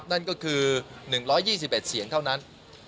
นั่นก็คือ๑๒๑เสียงเท่านั้น